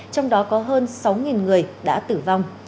trong đó có hơn sáu người đã tử vong